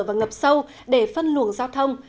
và ngập sâu để phân luồng giao thông